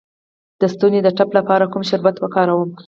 د ستوني د ټپ لپاره کوم شربت وکاروم؟